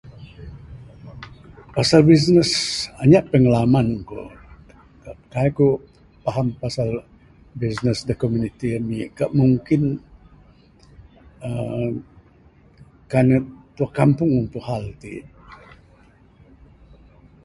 Pasal bisnes anyap pingalaman ku...kaii ku faham pasal bisnes da komuniti ami...kat mungkin uhh kan ne ketua kampung ampuk Hal ti.